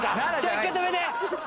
一回止めて！